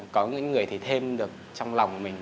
có những người thì thêm được trong lòng mình